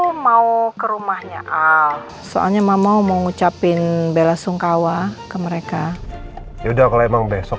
aku mau ke rumahnya soalnya mama mau ngucapin bela sungkawa ke mereka yaudah kalau emang besok